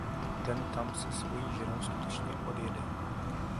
Ten tam se svojí ženou skutečně odjede.